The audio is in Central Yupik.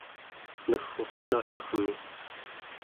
ner'uq natermi